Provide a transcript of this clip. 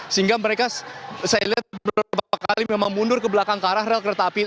sehingga mereka saya lihat beberapa kali memang mundur ke belakang ke arah rel kereta api